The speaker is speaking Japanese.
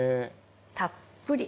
たっぷり。